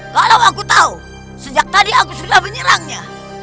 kalau aku tahu sejak tadi aku sudah menyerangnya